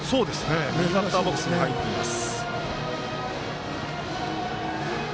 右バッターボックスに入っています。